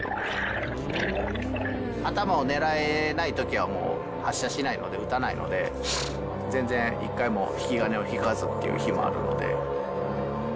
頭を狙えないときはもう発射しないので、撃たないので、全然、１回も引き金を引かずっていう日もあるので。